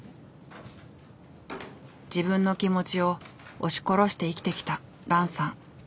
自分の気持ちを押し殺して生きてきたランさん。